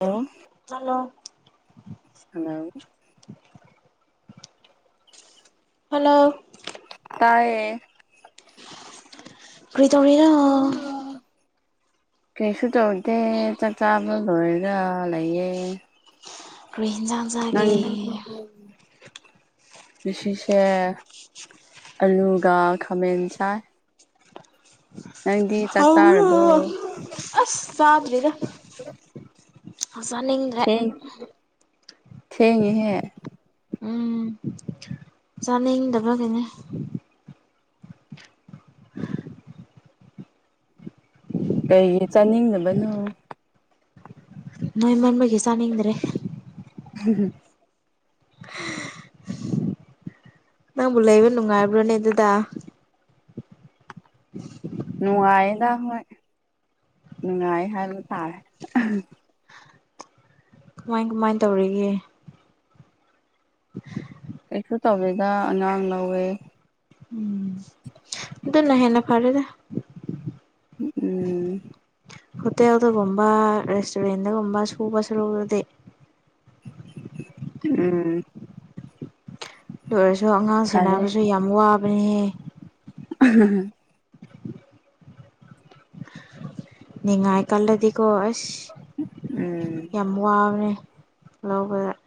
hello hello hello hello ꯇꯥꯏꯌꯦ ꯀ꯭ꯔꯤ ꯇꯧꯔꯤꯔꯣ ꯀꯩꯁꯨ ꯇꯧꯗꯦ ꯆꯥꯛ ꯆꯥꯕ ꯂꯣꯏꯔꯒ ꯂꯩꯌꯦ ꯀꯔꯤ ꯍ°ꯟꯖꯥꯡ ꯅꯪ ꯉꯁꯤꯁꯦ ꯑꯂꯨꯒ ꯈꯥꯃꯦꯟ ꯆꯥꯏ ꯅꯪꯗꯤ ꯆꯥꯛ ꯆꯥꯔꯕꯣ ꯍꯥꯎꯕꯔꫭ ꯑꯁ ꯆꯗ꯭ꯔꯤꯗ [unintelligible] ꯊꯦꯡ ꯊ°ꯡꯉ° ꯍ° ꯎꯝ ꯆꯥꯅꯤꯡꯗꯕ꯭ꯒꯤꯅꯦ ꯀꯩꯒꯤ ꯆꯥꯅꯤꯡꯗꯕꯅꯣ ꯅꯣꯏ ꯃꯟꯕꯒꯤ ꯆꯥꯅꯤꯡꯗ꯭ꯔꯦ [inaudible] ꯅꯪꯕꯨ ꯂꯩꯕ ꯅꯨꯡꯉꯥꯏꯕ꯭ꯔꯣꯅꯦ ꯑꯗꯨꯗꯥ ꯅꯨꯡꯉꯥꯏꯌꯦꯗ ꯍꯣꯏ ꯅꯨꯡꯉꯥꯏ ꯍꯥꯏꯕ ꯇꯥꯔꯦ ꯀꯃꯥꯏ ꯀꯃꯥꯏꯅ ꯇꯧꯔꯤꯒꯦ [inaudible] ꯀꯩꯁꯨ ꯇꯧꯋꯦꯗ ꯑꯉꯥꯡ ꯂꯧꯋꯦ ꯎꯝ ꯑꯗꯨꯗꯅ ꯍꯦꯟꯅ ꯐꯥꯔꯦꯗ ꯎꯝ ꯍꯣꯇꯦꯜꯗꯒꯨꯝꯕ ꯔꯦꯁꯇꯨꯔꯦꯟꯗꯒꯨꯝꯕ ꯁꯨꯕ ꯁꯔꯨꯗꯤ ꯎꯝ ꯑꯗꯨ ꯑꯣꯏꯔꯁꯨ ꯑꯉꯥꯡ ꯐꯔꯦ ꯁꯦꯟꯅꯕꯁꯨ ꯌꯥꯝ ꯋꯥꯕꯅꯤꯍ° [inaudible] ꯅꯤꯡꯉꯥꯏ ꯀꯜꯂꯗꯤꯀꯣ ꯑꯁ ꯎꯝ ꯌꯥꯝ ꯋꯥꯕꯅꯦ ꯂꯧꯕꯗ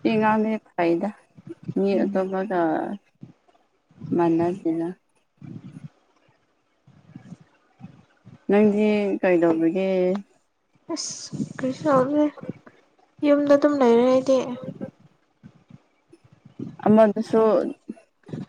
ꯁꯤ ꯑꯉꯥꯡꯗꯤ ꯐꯩꯗꯥ ꯃꯤ ꯑꯇꯣꯞꯄꯒꯤ ꯒ ꯃꯥꯟꯅꯗ°ꯗ ꯅꯪꯗꯤ ꯀꯩꯗꯧꯕꯒꯦ ꯑꯁ ꯀ꯭ꯔꯤꯁꯨ ꯇꯧꯗꯦ ꯌꯨꯝꯗ ꯑꯗꯨꯝ ꯂꯩꯔ° ꯑꯩꯗꯤ ꯑꯃꯗꯨꯁꯨ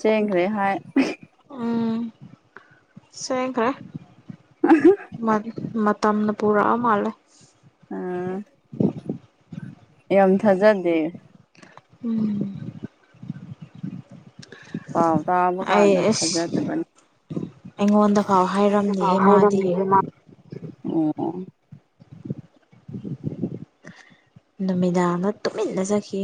ꯆꯦꯟꯈ꯭ꯔꯦ ꯍꯥꯏ ꯎꯝ ꯆ°ꯟꯈꯔꯦ ꯃꯥꯗꯤ ꯃꯇꯝꯅ ꯄꯨꯔꯛꯑ ꯃꯥꯜꯂꯦ ꯑꯥ ꯌꯥꯝ ꯊꯥꯖꯗꯦ ꯎꯝ ꯄꯥꯎ ꯇꯥꯕ ꯑꯩ ꯀꯥꯟꯗ ꯑꯁ ꯊꯥꯖꯗꯕꯅ ꯑꯩꯉꯣꯟꯗ ꯐꯥꯎ ꯑꯩꯉꫭꯟꯗ ꯐꯥꯎ ꯍꯥꯏꯔꯝꯗꯦꯍꯦ ꯃꯥꯗꯤ ꯍꯥꯏꯔꯝꯗ° ꯍ° ꯃꯥ ꯑꫭ ꯅꯨꯃꯤꯗꯥꯡꯗꯥ ꯇꯨꯃꯤꯟꯅ ꯈꯠꯈꯤ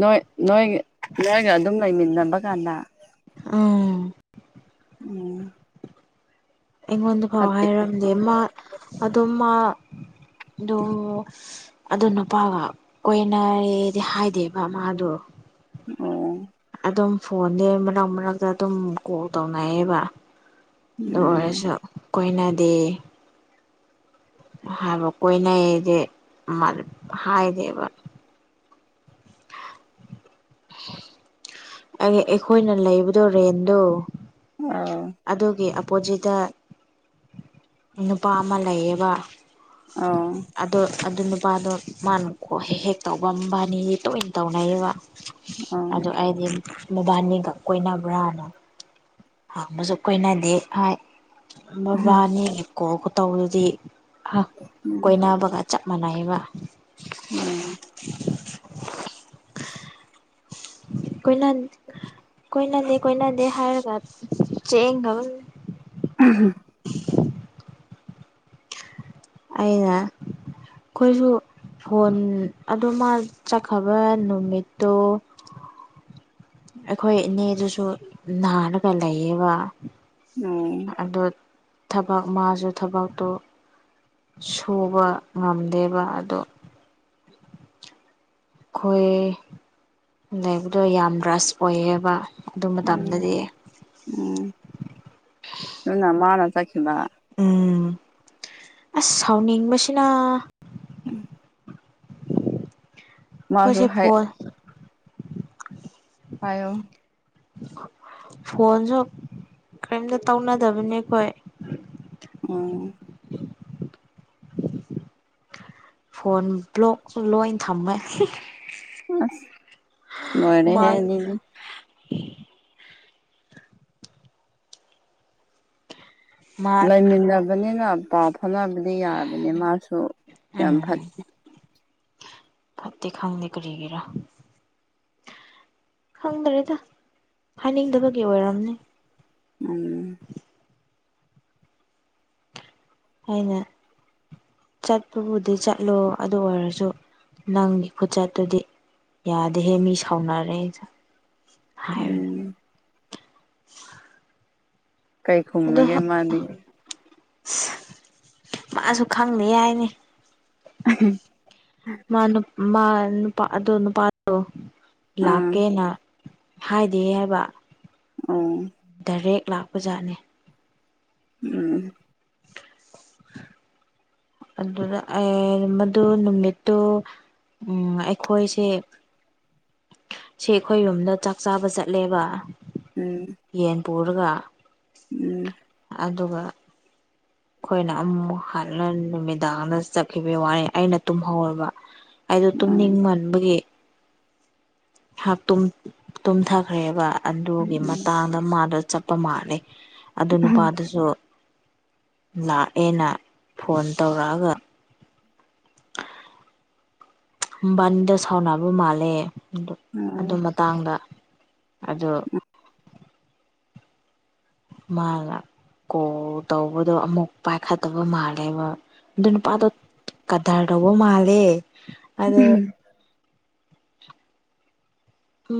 ꯅꯣꯏ ꯅꯣꯏ ꯅꯣꯏꯒ ꯑꯗꯨꯝ ꯂꯩꯃꯤꯟꯅꯕ ꯀꯥꯟꯗ ꯑꯧ ꯎꯝ ꯑꯩꯉꯣꯟꯗ ꯐꯥꯎ ꯐꯠꯇꯦ ꯍꯥꯏꯔꯝꯗꯦ ꯃꯥ ꯑꯗꯣ ꯃꯥ ꯑꯗꫭ ꯑꯗꯨ ꯅꯨꯄꯥꯒ ꯀꯣꯏꯅꯔꯦꯗꯤ ꯍꯥꯏꯗꯦꯕ ꯃꯥꯗꯣ [inaudible] ꯑꯗꯨꯝ ꯐꯣꯟꯗꯤ ꯃꯛ ꯃꯔꯛꯇ ꯑꯗꯨꯝ ꯀꯣꯜ ꯇꯧꯅꯩꯌꯦꯕ ꯑꯗꯨ ꯎꯝ ꯑꯣꯏꯔꯁꯨ ꯀꯣꯏꯅꯗꯦ ꯍꯥꯏꯕ ꯀꯣꯏꯅꯩꯁꯦ ꯃꯥ ꯍꯥꯏꯗꯦꯕ ꯑꯩ ꯑꯩꯈꯣꯏꯅ ꯂꯩꯕꯗꯣ ꯔꯦꯟꯗꯣ ꯑꯥꯎ ꯑꯗꯨꯒꯤ ꯑꯄꯣꯖꯤꯠꯇ ꯅꯨꯄꯥ ꯑꯃ ꯂꯩꯌꯦꯕ ꯑꯥꯎ ꯑꯗꯣ ꯑꯗꯨ ꯅꯨꯄꯥꯗꯣ ꯃꯥꯅ ꯀꯣ ꯍꯦꯛ ꯍꯦꯛ ꯇꯧꯕ ꯃꯕꯥꯏꯅꯤ ꯇꯣꯏꯅ ꯇꯧꯅꯩꯑꯕ ꯑꯥꯎ ꯑꯗꯣ ꯑꯩꯗꯤ ꯃꯕꯥꯅꯤꯒ ꯀꯣꯏꯅꯕ꯭ꯔꯥꯅ ꯍꯪꯕꯁꯨ ꯀꯣꯏꯅꯗꯦ ꯍꯥꯏ ꯃꯕꯥꯅꯤꯒꯤ ꯀꯣꯜ ꯈꯨꯇꯧꯗꯨꯗꯤ ꯀꯣꯏꯅꯕꯒ ꯆꯞ ꯃꯥꯟꯅꯩꯕ ꯎꯝ ꯀꯣꯏꯅ ꯀꯣꯏꯅꯗꯦ ꯀꯣꯏꯅꯗꯦ ꯍꯥꯏꯔꯒ ꯆꯦꯡꯒꯕ꯭ꯔ ꯎ [inaudible] ꯑꯩꯅ ꯑꯩꯈꯣꯏꯁꯨ ꯐꯣꯟ ꯑꯗꯨ ꯃꯥ ꯆꯠꯈꯕ ꯅꯨꯃꯤꯠꯇꯣ ꯑꯩꯈꯣꯏ ꯏꯅꯦꯗꯨꯁꯨ ꯅꯥꯔꯒ ꯂꯩꯌꯦꯕ ꯎꯝ ꯑꯗꯣ ꯊꯕꯛ ꯃꯥꯁꯨ ꯊꯕꯛꯇꯣ ꯁꯨꯕ ꯉꯝꯗꯦꯕ ꯑꯗꯣ [inaudible] ꯑꯩꯈꯣꯏ ꯂꯩꯕꯗꯣ ꯌꯥꯝ ꯔꯁ ꯑꯣꯏꯌꯦꯕ ꯑꯗꯨ ꯎꯝ ꯃꯇꯝꯗꯗꯤ ꯎꯝ ꯑꯗꯨꯅ ꯃꯥꯅ ꯆꯠꯈꯤꯕ ꯎꯝ ꯑꯁ ꯁꯥꯎꯅꯤꯡꯕꯁꯤꯅ ꯃꯥꯁꯨ ꯀꯁꯦ ꯐꯣꯜ ꯍꯥꯏꯌꯣ ꯐꯣꯟꯁꯨ ꯀꯔꯤꯝꯇ ꯇꯧꯅꯗꯕꯅꯦ ꯑꯩꯈꯣꯏ ꯎꯝ ꯐꯣꯟ ꯕ꯭ꯂꯣꯛ ꯂꯣꯏꯅ ꯊꯝꯃꯦ ꯑꯁ ꯂꯣꯏꯔꯦꯍꯦ ꯃꯥꯜ ꯑꯅꯤꯗꯤ ꯃꯥ ꯂꯩꯃꯤꯟꯅꯕꯅꯤꯅ ꯄꯥꯎ ꯐꯥꯎꯅꯕꯗꯤ ꯌꯥꯕꯅꯤ ꯃꯥꯁꯨ ꯌꯥꯝ ꯎꯝ ꯐꯠꯇꯦ ꯐꯠꯇꯦ ꯈꯪꯅꯤ ꯀꯔꯤꯒꯦꯔ ꯈꯪꯗ꯭ꯔꯦꯗ ꯍꯥꯏꯅꯤꯡꯗꯕꯒꯤ ꯑꯣꯏꯔꯝꯅꯤ ꯎꯝ ꯍꯥꯏꯅ ꯆꯠꯄꯕꯨꯗꯤ ꯆꯠꯂꯣ ꯑꯗꯨ ꯑꯣꯏꯔꯁꯨ ꯅꯪꯒꯤ ꯈꯨꯆꯠꯇꯨꯗꯤ ꯌꯥꯗꯦꯍꯦ ꯃꯤ ꯁꯥꯎꯅꯔꯦ ꯍꯥꯏꯕꯅꯦ ꯎꯝ ꯀꯩ ꯈꯨꯝꯔꯒꯦ ꯑꯁ ꯃꯥꯗꯤ ꯃꯥꯁꯨ ꯈꯪꯕ ꯌꯥꯏꯅꯤ ꯎꯝ ꯃꯥ ꯅꯨꯄꯥ ꯑꯗꯨ ꯅꯨꯄꯥ ꯗꯣ ꯑꯥ ꯂꯥꯛꯀꯦꯅ ꯍꯥꯏꯗꯤꯌꯦ ꯍꯥꯏꯕ ꯑꯣ ꯗꯥꯏꯔꯦꯛ ꯂꯥꯛꯄꯖꯥꯠꯅꯤ ꯎꯝ [inaudible] ꯑꯗꯨꯅ ꯑꯦ ꯃꯗꯨ ꯅꯨꯃꯤꯠꯇꯨ ꯎꯝ ꯑꯩꯈꯣꯏꯁꯦ ꯁꯤ ꯑꯩꯈꯣꯏ ꯔꯣꯝꯗ ꯆꯥꯛ ꯆꯥꯕ ꯆꯠꯂꯦꯕ ꯎꯝ ꯌꯦꯟ ꯄꯨꯔꯒ ꯎꯝ ꯑꯗꯨꯒ ꯑꯩꯈꯣꯏꯅ ꯑꯃꯨꯛ ꯍꯟꯅ ꯅꯨꯃꯤꯗꯥꯡꯗ ꯆꯠꯈꯤꯕ ꯋꯥꯅꯤ ꯑꯩꯅ ꯇꯨꯝꯍꯧꯔꯕ ꯑꯩꯗꯣ ꯑꯥ ꯇꯨꯝꯅꯤꯡꯃꯟꯕꯒꯤ ꯍꯞ ꯇꯨꯃ ꯇꯨꯝꯊꯈ꯭ꯔꯦꯕ ꯑꯗꯨꯒꯤ ꯎꯝ ꯃꯇꯥꯡꯗ ꯃꯥꯗꯣ ꯆꯞ ꯄ ꯃꯥꯜꯂꯤ ꯑꯗꯨ ꯅꯨꯄꯥꯗꯨꯁꯨ ꯂꯥꯛꯑꯦꯅ ꯐꯣꯟ ꯇꯧꯔꯛꯑꯒ ꯕꯥꯟꯗ ꯁꯥꯎꯅꯕ ꯃꯥꯜꯂꯦ ꯗꯨ ꯑꯗꯨ ꯃꯇꯥꯡꯗ ꯑꯗꯨ ꯃꯥꯒ ꯀꯣꯜ ꯇꯧꯕꯗꯣ ꯑꯃꯨꯛ ꯄꯥꯏꯈꯠꯇꯕ ꯃꯥꯜꯂꯦꯕ ꯑꯗꯨ ꯅꯨꯄꯥꯗꯣ ꯀꯗꯥꯔꯇꯧꯕ ꯃꯥꯜꯂꯦ ꯑꯗꯨ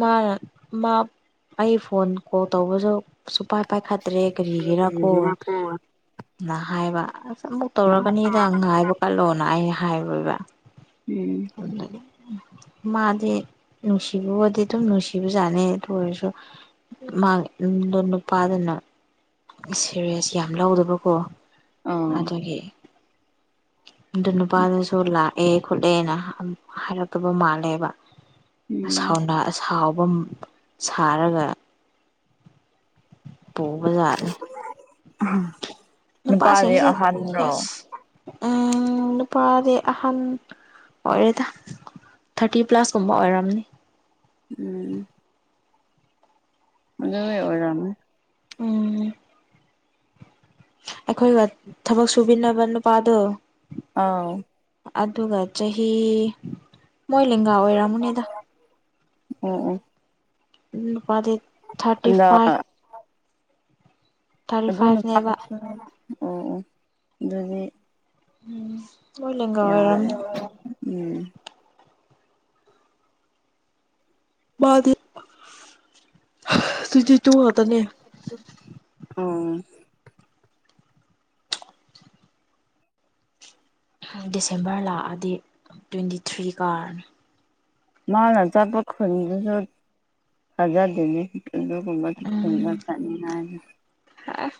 ꯃꯥꯅ ꯃꯥ ꯑꯩ ꯐꯣꯟ ꯀꯣꯜ ꯇꯧꯕꯁꯨ ꯁꯨꯡꯄꯥꯏ ꯄꯥꯏꯈꯠꯇ꯭ꯔꯦ ꯀꯔꯤꯒꯤꯔꯀꯣ ꯅ ꯍꯥꯏꯕ ꯑꯁ ꯑꯃꯨꯛ ꯇꯧꯔꯛꯀꯅꯤꯗ ꯉꯥꯏꯕ ꯀꯜꯂꯣꯅ ꯑꯩꯅ ꯍꯥꯏꯔꯣꯏꯕ ꯎꯝ ꯃꯥꯗꯤ ꯅꯨꯡꯁꯤ ꯀꯦ ꯗꯨꯝ ꯅꯨꯡꯁꯤꯕꯖꯥꯠꯅꯤ ꯑꯗꯨ ꯑꯣꯏꯔꯁꯨ ꯃꯥ ꯅꯨꯄꯥꯗꯨꯅ ꯁꯦꯔꯤꯌꯥꯁ ꯌꯥꯝ ꯂꯧꯗꯕꯀꯣ ꯑꯥ ꯎꯝ ꯑꯗꯨꯒꯤ ꯑꯗꯨ ꯅꯨꯄꯥꯗꯨꯁꯨ ꯂꯥꯛꯑꯦ ꯈꯣꯠꯂꯦꯅ ꯍꯥꯏꯔꯛꯇꯕ ꯃꯥꯜꯂꯦꯕ ꯎꯝ ꯁꯎꯅ ꯁꯥꯎꯕ ꯁꯥꯔꯒ ꯄꯨꯕꯖꯥꯅꯦ ꯅꯨꯄꯥꯗꯤ ꯅꯨꯄꯥꯁꯤꯡꯁꯦ ꯑꯍꯟꯔꯣ ꯑꯁ ꯎꯝ ꯅꯨꯄꯥꯗꯤ ꯑꯍꯟ ꯑꯣꯏꯔꯦꯗ ꯊꯔꯇꯤ ꯄ꯭ꯂꯁꯀꯨꯝꯕ ꯑꯣꯏꯔꯝꯅꯤ ꯎꯝ ꯑꯗꯨꯃꯩ ꯑꯣꯏꯔꯝꯅꯤ ꯎꯝ ꯑꯩꯈꯣꯏꯒ ꯊꯕꯛ ꯁꯨꯃꯤꯟꯅꯕ ꯅꯨꯄꯥꯗꯣ ꯑꯥꯎ ꯑꯗꯨꯒ ꯆꯍꯤ ꯃꯣꯏ ꯂꯦꯡꯒꯥ ꯑꯣꯏꯔꯝꯃꯅꯦꯗ ꯑꯣ ꯑꯣ ꯅꯨꯄꯥꯗꯤ ꯊꯔꯇꯤ ꯑꯗ ꯐꯥꯏꯕꯤ ꯑꯗꯨ ꯐꯥꯏꯚꯅꯦꯕ ꯅꯨꯄꯥꯁꯨ ꯑꯣ ꯑꯣ ꯑꯗꯨꯗꯤ ꯎꯝ ꯃꯣꯏ ꯂꯦꯡꯒꯥ ꯌꯥꯔꯦ ꯑꯣꯏꯔꯝꯅꯤ ꯎꯝ ꯃꯥꯗꯤ ꯊꯦꯟꯇꯦꯇꯨ ꯉꯥꯛꯇꯥꯅꯤ ꯑꯣ ꯗꯤꯁꯦꯝꯕꯔ ꯂꯥꯛꯑꯗꯤ ꯇ꯭ꯋꯦꯟꯇꯤꯊ꯭ꯔꯤ ꯀꯥꯔꯅꯤ ꯃꯥꯅ ꯆꯠꯄ ꯈꯨꯟꯗꯨꯁꯨ ꯊꯖꯗꯦꯅꯦ ꯑꯗꯨꯒꯨꯝꯕꯒꯤ ꯈꯨꯟꯗ ꯆꯥꯠꯅꯤꯟꯉꯥꯏ ꯑꯦ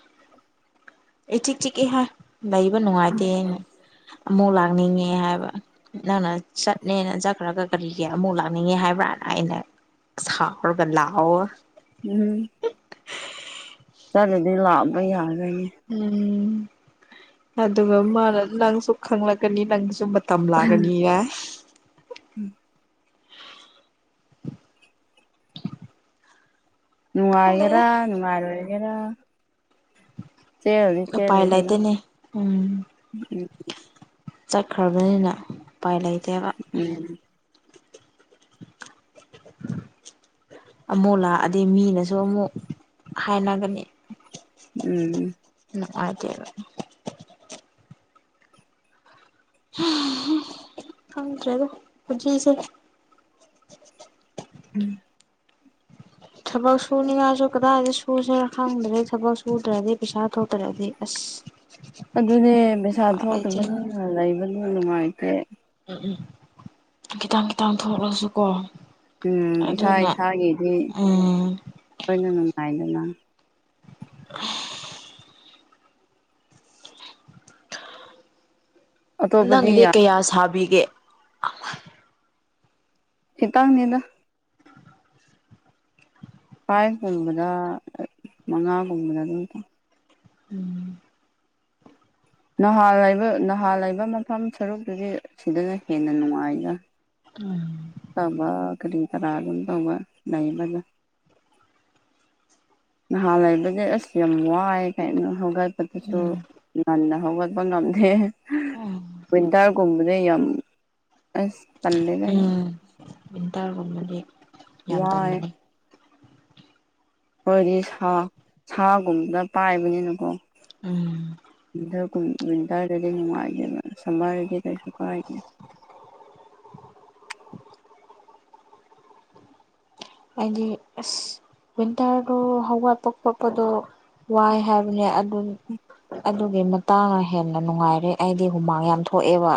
ꯏꯆꯤꯛ ꯏꯆꯤꯛꯑꯦ ꯍꯥꯏ ꯂꯩꯕ ꯅꯨꯡꯉꯥꯏꯇꯦꯅ ꯑꯃꯨꯛ ꯂꯥꯛꯅꯤꯡꯉꯦ ꯍꯥꯏꯕ ꯅꯪꯅ ꯆꯠꯅꯦꯅ ꯆꯠꯈ꯭ꯔꯒ ꯀꯔꯤꯒꯤ ꯑꯃꯨꯛ ꯂꯥꯛꯅꯤꯡꯉꯦ ꯍꯥꯏꯕ꯭ꯔꯥ ꯑꯩꯅ ꯁꯥꯎꯔꯒ [inaudible] ꯎꯝ ꯆꯠꯂꯗꯤ ꯂꯥꯛꯑꯕ ꯌꯥꯔꯣꯏꯅꯦ ꯎꯝ ꯑꯗꯨꯒ ꯃꯥꯅ ꯅꯪꯁꯨ ꯈꯪꯂꯛꯀꯅꯤ ꯅꯪꯒꯤꯁꯨ ꯃ ꯇꯝ ꯂꯥꯛꯀꯅꯤ ꯍꯥꯏ ꯈꯪꯗꯦꯗ ꯅꯨꯡꯉꯥꯏꯒꯦꯔ ꯅꯨꯡꯉꯥꯏꯔꯣꯏꯒꯦꯔ ꯆꯦꯜꯂꯗꯤ ꯎꯄꯥꯏ ꯆꯦꯜꯂꯦꯗꯅ ꯂꯩꯇꯦꯅꯦ ꯎꯝ [inaudible] ꯆꯠꯈ꯭ꯔꯕꯅꯤꯅ ꯎꯄꯥꯏ ꯂꯩꯇꯦꯕ ꯎꯝ ꯑꯃꯨꯛ ꯂꯥꯛꯑꯗꯤ ꯃꯤꯅꯁꯨ ꯑꯃꯨꯛ ꯍꯥꯏꯅꯒꯅꯤ ꯎꯝ ꯅꯨꯡꯉꯥꯏꯇꯦꯕ ꯈꯪꯗ꯭ꯔꯦꯗ ꯄꯨꯟꯁꯤꯁꯦ ꯎꯝ [inaudible] ꯊꯕꯛ ꯁꯨꯅꯤꯡꯉꯥꯏꯁꯨ ꯀꯗꯥꯏꯗ ꯁꯨꯁꯦꯔ ꯈꯪꯗ꯭ꯔꯦ ꯊꯕꯛ ꯁꯨꯗ꯭ꯔꯗꯤ ꯄꯩꯁꯥ ꯊꯣꯛꯇ꯭ꯔꯗꯤ ꯑꯁ ꯑꯗꯨꯅꯦ ꯄꯩꯁꯥ ꯎꯄꯥꯏ ꯂꯩꯇꯦ ꯊꯣꯛꯇꯕꯅꯤꯅ ꯂꯩꯕ [unintelligible] ꯅꯨꯡꯉꯥꯏꯇꯦ ꯎꯝ ꯎꯝ ꯈꯤꯇꯪ ꯈꯤꯇꯪ ꯊꯣꯛꯂꯁꯨꯀꯣ ꯎꯝ ꯏꯁꯥ ꯑꯗꯨꯅ ꯏꯁꯥꯒꯤꯗꯤ ꯎꯝ ꯂꯣꯏꯅ ꯅꯨꯡꯉꯥꯏꯗꯅ [inaudible] ꯑꯇꯣꯞꯄꯗꯤ ꯅꯪꯒꯤꯗꯤ ꯌꯥꯝ ꯀꯌꯥ ꯁꯥꯕꯤꯒꯦ ꯈꯤꯇꯪꯅꯤꯗ ꯐꯥꯏꯚꯒꯨꯝꯕꯗ ꯃꯉꯥꯒꯨꯝꯕꯗ ꯑꯗꯨꯝ [inaudible] ꯎꯝ ꯅꯍꯥꯟ ꯂꯩꯕ ꯅꯍꯥꯟ ꯂꯩꯕ ꯃꯐꯝ ꯁꯔꯨꯛꯇꯨꯗꯤ ꯁꯤꯗꯅ ꯍꯦꯟꯅ ꯅꯨꯡꯉꯥꯏꯗ ꯎꯝ ꯇꯧꯕ ꯀꯔꯤ ꯀꯔꯥ ꯑꯗꯨꯝ ꯇꯧꯕ ꯂꯩꯕꯅꯦ ꯅꯍꯥꯟ ꯂꯩꯕꯗꯤ ꯑꯁ ꯌꯥꯝ ꯋꯥꯏ ꯀꯩꯅꯣ ꯍꯧꯒꯠꯄꯗꯁꯨ ꯉꯟꯅ ꯍꯧꯒꯠꯄ ꯉꯝꯗꯦ ꯎꯝ ꯋꯤꯟꯇꯔꯒꯨꯝ ꯕꯗꯤ ꯌꯥꯝ ꯑꯩ ꯎꯝ ꯋꯤꯟꯇꯔꯒꯨꯝꯕꯗꯤ ꯌꯥꯝ ꯋꯥꯏ ꯇꯟꯕꯅꯦ ꯑꯩꯈꯣꯏꯗꯤ ꯁꯥ ꯁꯥꯒꯨꯝꯕꯅ ꯄꯥꯏꯕꯅꯤꯅꯀꯣ ꯎꯝ ꯋꯤꯟꯇꯔꯒꯨꯝ ꯋꯤꯟꯇꯔꯗꯗꯤ ꯅꯨꯡꯉꯥꯏꯇꯦꯕ ꯁꯝꯃꯔꯗꯗꯤ ꯀꯩꯁꯨ ꯀꯥꯏꯗꯦ ꯑꯩꯗꯤ ꯑꯁ ꯋꯤꯟꯇꯔꯗꯣ ꯍꯧꯒꯠꯄ ꯈꯣꯠꯄꯗꯣ ꯋꯥꯏ ꯍꯥꯏꯕꯅꯦ ꯑ [inaudible] ꯑꯗꯨꯒꯤ ꯃꯇꯥꯡꯅ ꯍꯦꯟꯅ ꯅꯨꯡꯉꯥꯏꯔꯦ ꯑꯩꯗꯤ ꯍꯨꯃꯥꯡ ꯌꯥꯝ ꯊꯣꯛꯑꯦꯕ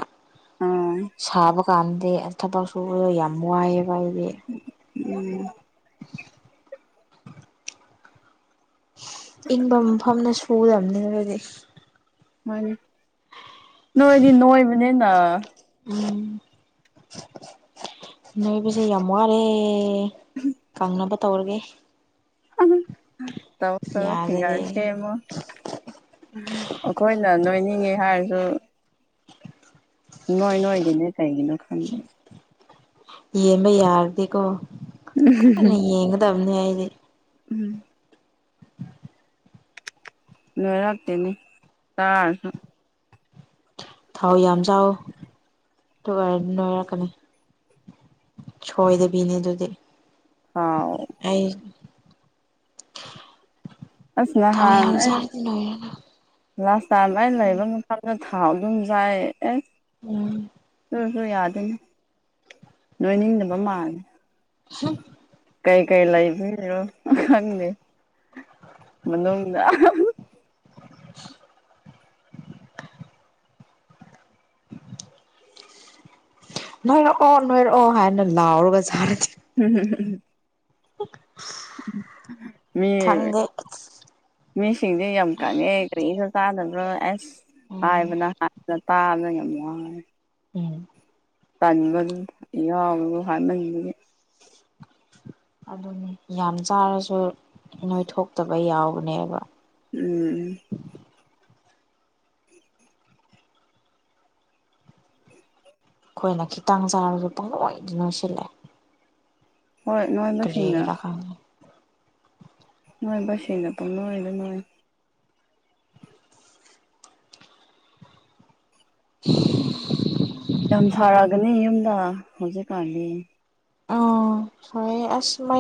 ꯑꯥ ꯁꯥꯕ ꯀꯥꯟꯗꯗꯤ ꯊꯕꯛ ꯁꯨꯕꯗꯣ ꯌꯥꯝ ꯋꯥꯏꯑꯦꯕ ꯑꯩꯗꯤ ꯎꯝ ꯏꯪꯕ ꯃꯐꯝꯅ ꯁꯨꯔꯝꯃꯅꯤ ꯑꯗꯨꯗꯤ ꯃꯥꯅꯤ ꯅꯣꯏꯗꯤ ꯅꯣꯏꯕꯅꯤꯅ ꯎꯝ ꯅꯣꯏꯕꯁꯦ ꯌꯥꯝ ꯋꯥꯔꯦ ꯀꯪꯅꯕ ꯇꯧꯔꯒꯦ ꯇꯧ ꯇꯧꯔꯣ ꯌꯥꯗꯔꯦ ꯐꯤꯒꯔ ꯁꯦꯝꯃꯣ ꯑꯈꯣꯏꯅ ꯅꯣꯏꯅꯤꯡꯉꯤ ꯍꯥꯏꯔꯖꯨ ꯅꯣꯏ ꯅꯣꯏꯗꯦꯅꯦ ꯀꯩꯒꯤꯅꯣ ꯈ ꯌꯦꯝꯕ ꯌꯥꯔꯗꯤꯀꯣ ꯂꯣꯢꯅ ꯌꯦꯡꯒ ꯗꯝꯅꯦ ꯑꯩꯗꯤ ꯎꯝ ꯅꯣꯏꯔꯛꯇꯦꯅꯤ ꯇꯥꯔꯁꯨ ꯊꯥꯎ ꯌꯥꯝ ꯆꯥꯎ ꯗꯨꯒꯥꯔ ꯅꯣꯏꯔꯛꯀꯅꯤ ꯆꯣꯏꯗꯕꯤꯅꯦ ꯑꯗꯨꯗꯤ ꯑꯥꯎ ꯑꯩ ꯑꯁ ꯊꯥꯎ ꯅꯍꯥꯟ ꯌꯥꯝ ꯑꯩ ꯆꯥꯔꯗꯤ ꯅꯣꯢꯔꯦꯅ ꯂꯥꯁ ꯇꯥꯏꯝ ꯑꯩ ꯂꯩꯕ ꯃꯐꯝꯗꯨ ꯊꯥꯎ ꯑꯗꯨꯝ ꯆꯥꯏ ꯑꯦ ꯎꯝ ꯗꯨꯁꯨ ꯌꯥꯗꯦꯅꯦ ꯅꯣꯏꯅꯤꯡꯗꯕ ꯃꯥꯜꯂꯦ [unintelligible] ꯀꯩꯀꯩ ꯂꯩꯕꯤꯔꯣ ꯑꯈꯪꯗꯦ ꯃꯅꯨꯡꯗ ꯑꯍꯥ [inaudible] ꯅꯣꯏꯔꯛꯑꯣ ꯅꯣꯏꯔꯛꯑꯣ ꯍꯥꯏꯅ ꯂꯥꯎꯔꯒ ꯖꯥꯔꯗꯤ [unintelligible] ꯎꯝ ꯃꯤ ꯈꯪꯗꯦ ꯃꯤꯁꯤꯡꯗꯤ ꯌꯥꯝ ꯀꯪꯉꯦ ꯀꯔꯤꯁꯨ ꯆꯥꯗꯕ꯭ꯔꯣ ꯑꯦꯁ ꯎꯝ ꯍꯥꯏꯕꯅ ꯍꯥꯏꯕ ꯇꯥꯕꯗ ꯌꯥꯝ ꯋꯥꯔꯦ ꯎꯝ ꯇꯟꯕꯗꯨ ꯌꯥꯎꯕꯗꯣ ꯍꯥꯢꯃꯟꯕꯒꯤ ꯑꯗꯨꯅꯤ ꯌꯥꯝ ꯆꯥꯔꯁꯨ ꯅꯣꯏ ꯊꯣꯛꯇꯕ ꯌꯥꯎꯕꯅꯦꯕ ꯎꯝ ꯈꯣꯏꯅ ꯈꯤꯇꯪ ꯆꯥꯔꯁꯨ ꯄꯪꯅꯣꯢꯗ ꯅꯣꯏ ꯁꯤꯜꯂꯦ ꯍꯣꯏ ꯅꯣꯢꯕ ꯁꯤꯡꯅ ꯀꯔꯤꯒꯤꯔꯥ ꯈꯪꯗꯦ ꯅꯣꯏꯕꯁꯤꯡꯅ ꯄꯪꯅꯣꯢꯗ ꯅꯣꯏ [inaudible] ꯌꯥꯝ ꯁꯥꯔꯒꯅꯤ ꯌꯨꯝꯗ ꯍꯧꯖꯤꯛꯀꯥꯟꯗꯤ ꯑꯧ ꯁꯥꯢꯌꯦ ꯑꯁ ꯃꯩ